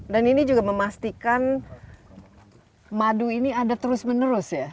dan ini juga memastikan madu ini ada terus menerus ya